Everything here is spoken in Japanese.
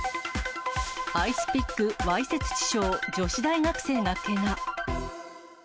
アイスピック、わいせつ致傷、女子大学生がけが。